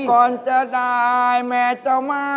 ก่อนจะได้แม่เจ้ามา